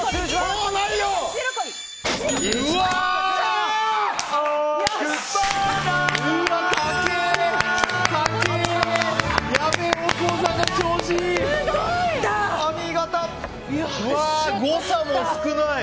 うわー、誤差も少ない。